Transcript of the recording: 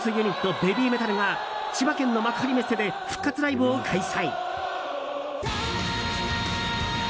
ＢＡＢＹＭＥＴＡＬが千葉県の幕張メッセで復活ライブを開催。